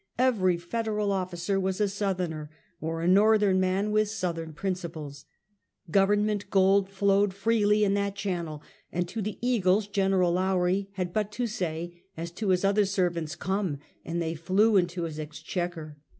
Every federal officer was a South erner, or a N^orthern man with Southern principles. Government gold flowed freely in that channel, and to the eagles Gen. Lowrie had but to say, as to liis other servants, " come," and they flew into his exchequer.